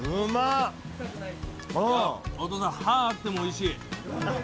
歯あってもおいしい。